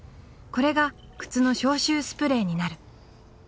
これが靴の消臭スプレーになる。